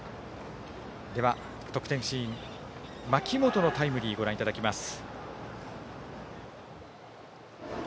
では、得点シーン槇本のタイムリーをご覧いただきます。